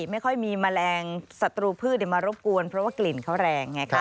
ไม่ค่อยมีแมลงศัตรูพืชมารบกวนเพราะว่ากลิ่นเขาแรงไงคะ